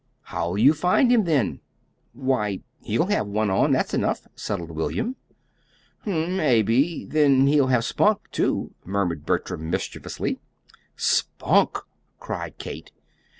"How'll you find him, then?" "Why, he'll have one on; that's enough," settled William. "Hm m; maybe. Then he'll have Spunk, too," murmured Bertram, mischievously. "Spunk!" cried Kate.